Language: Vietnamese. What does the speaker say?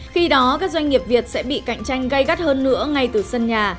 khi đó các doanh nghiệp việt sẽ bị cạnh tranh gây gắt hơn nữa ngay từ sân nhà